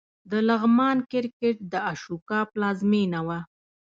د لغمان کرکټ د اشوکا پلازمېنه وه